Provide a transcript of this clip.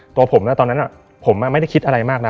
ตัวผมนะตอนนั้นผมไม่ได้คิดอะไรมากนะ